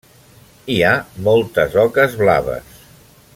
Hi ha moltes oques blaves.